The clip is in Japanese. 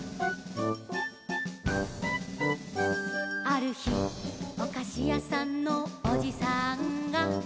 「あるひおかしやさんのおじさんが」